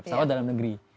pesawat dalam negeri